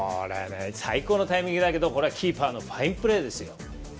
最高のタイミングだけどキーパーのファインプレーですよ。